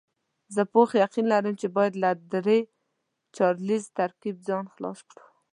زه پوخ یقین لرم چې باید له درې چارکیز ترکیب ځان خلاص کړو.